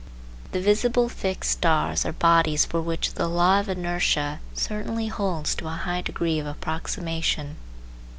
The visible fixed stars are bodies for which the law of inertia certainly holds to a high degree of approximation.